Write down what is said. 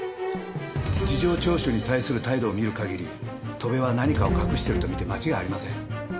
事情聴取に対する態度を見る限り戸辺は何かを隠していると見て間違いありません。